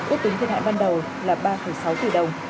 ước tính thiệt hại ban đầu là ba sáu tỷ đồng